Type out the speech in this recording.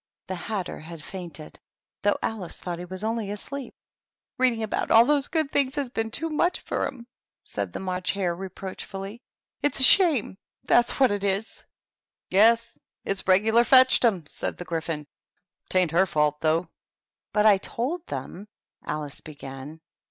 The Hatter had fainted, though Alice thought he was only asleep. 76 THE TEA TABLE. " Reading about all those good things has been too much for 'em," said the March Hare, re proachfully. " It's a shame, that's what it is I" " Yes, it's regular fetched 'em," said the Gry phon. " 'Tain't her fault, though." "But I told them " Alice began.